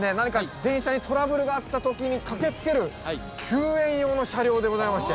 電車に何かトラブルがあった時に駆けつける救援用の車両でございまして。